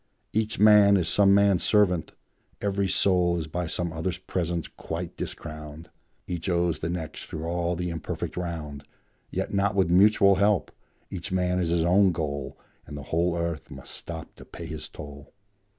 Each man is some man's servant; every soul Is by some other's presence quite discrowned; Each owes the next through all the imperfect round, Yet not with mutual help; each man is his own goal, And the whole earth must stop to pay his toll.